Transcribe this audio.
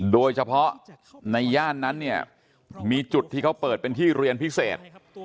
โดยเฉพาะในย่านนั้นเนี่ยมีจุดที่เขาเปิดเป็นที่เรียนพิเศษ